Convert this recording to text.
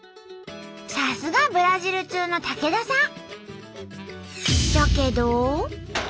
さすがブラジル通の武田さん。